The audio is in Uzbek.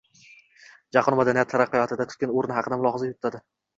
Jahon madaniyati taraqqiyotida tutgan oʻrni haqida mulohaza yuritadi.